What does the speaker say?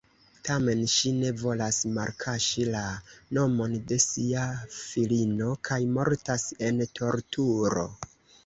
Tamen ŝi ne volas malkaŝi la nomon de sia filino kaj mortas en torturo.